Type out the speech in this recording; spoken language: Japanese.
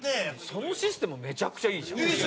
そのシステムめちゃくちゃいいじゃん。